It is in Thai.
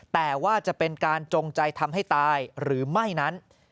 แต่ว่าจะเป็นการจงใจทำให้ตายหรือไม่นั้น